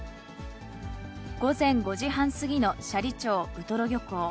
午前５時半過ぎの斜里町ウトロ漁港。